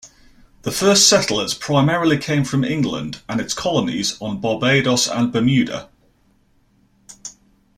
The first settlers primarily came from England and its colonies on Barbados and Bermuda.